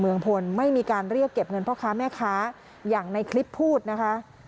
เมืองพลไม่มีการเรียกเก็บเงินพ่อค้าแม่ค้าอย่างในคลิปพูดนะคะ